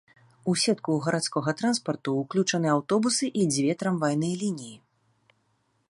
У сетку гарадскога транспарту ўключаны аўтобусы і дзве трамвайныя лініі.